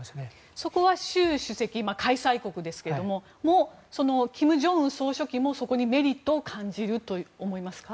そこは習主席開催国ですけれども金正恩総書記もそこにメリットを感じると思いますか？